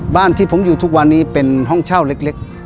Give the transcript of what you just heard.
ที่ผมอยู่ทุกวันนี้เป็นห้องเช่าเล็ก